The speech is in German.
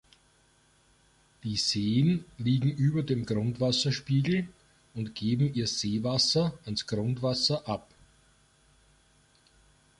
Die Seen liegen über dem Grundwasserspiegel und geben ihr Seewasser ans Grundwasser ab.